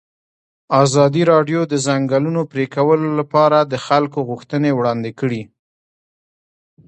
ازادي راډیو د د ځنګلونو پرېکول لپاره د خلکو غوښتنې وړاندې کړي.